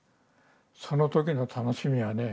その時の楽しみはね